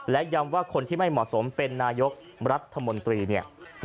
และย้ำว่าคนที่ไม่เหมาะสมเป็นนายกรัฐมนตรีเนี่ย